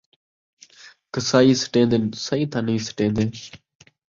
قصائی سٹین٘دن ، سئیں تاں نئیں سٹین٘دے